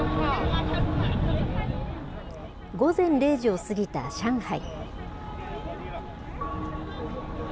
午前０時を過ぎた上海。